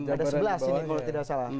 ada sebelas ini kalau tidak salah